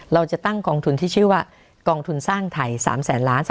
เราจะตั้งกองทุนที่ชื่อว่ากองทุนสร้างไทย๓แสนล้าน